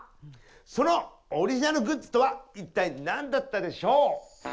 そのオリジナルグッズとは一体何だったでしょう？